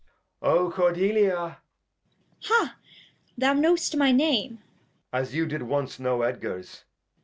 O Cordelial Cord. Ha ! Thou know'st my Name. Edg. As you did once know Edgar's.